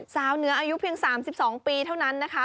สาวเหนืออายุเพียง๓๒ปีเท่านั้นนะคะ